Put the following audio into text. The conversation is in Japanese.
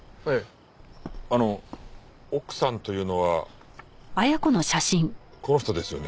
あの奥さんというのはこの人ですよね？